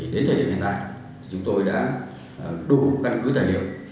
đến thời điểm hiện nay chúng tôi đã đủ căn cứ thời điểm